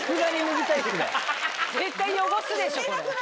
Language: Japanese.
絶対汚すでしょこれ。